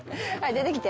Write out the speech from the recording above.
出てきて。